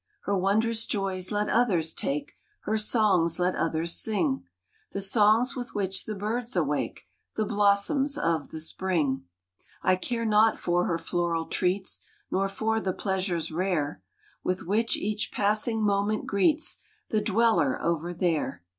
Her wondrous joys let others take, Her songs let others sing The songs with which the birds awake The blossoms of the spring. I care naught for her floral treats, Nor for the pleasures rare With which each passing moment greets The dweller over there.